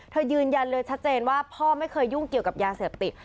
ยืนยันเลยชัดเจนว่าพ่อไม่เคยยุ่งเกี่ยวกับยาเสพติด